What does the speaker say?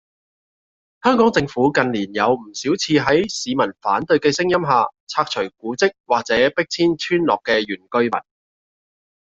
香港政府近年有唔少次喺市民反對嘅聲音下，拆除古蹟或者迫遷村落嘅原居民